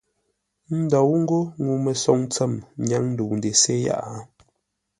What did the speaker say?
Ndou ńgó ŋuu-məsoŋ tsəm nyáŋ ndəu ndesé yaʼa.